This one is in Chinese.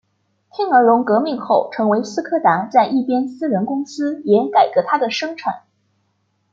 天鹅绒革命后成为斯柯达在一边私人公司也改革它的生产。